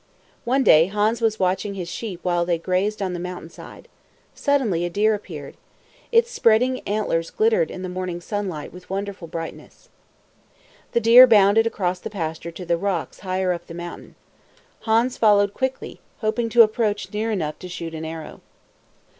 One day Hans was watching his sheep while they grazed on the mountain side. Suddenly a deer appeared. Its spreading antlers glittered in the morning sunlight with wonderful brightness. The deer bounded across the pasture to the rocks higher up the mountain. Hans followed quickly, hoping to approach near enough to shoot an arrow.